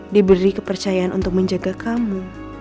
diberi kepercayaan untuk menjaga kamu